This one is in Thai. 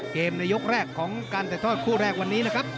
ในยกแรกของการถ่ายทอดคู่แรกวันนี้นะครับ